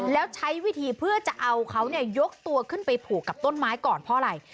แล้วใช้วิธีเพื่อจะเอาเขายกตัวขึ้นไปผูกกับต้นไม้ก่อนเพราะอะไร